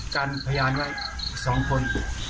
การพยายามไว้๒คน